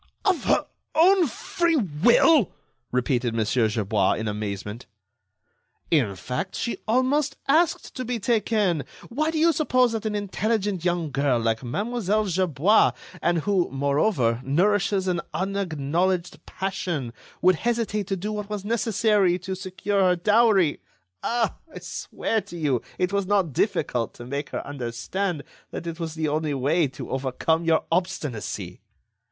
"Of her own free will!" repeated Mon. Gerbois, in amazement. "In fact, she almost asked to be taken. Why, do you suppose that an intelligent young girl like Mlle. Gerbois, and who, moreover, nourishes an unacknowledged passion, would hesitate to do what was necessary to secure her dowry. Ah! I swear to you it was not difficult to make her understand that it was the only way to overcome your obstinacy."